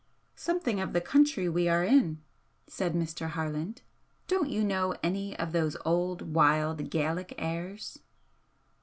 "Something of the country we are in," said Mr. Harland "Don't you know any of those old wild Gaelic airs?"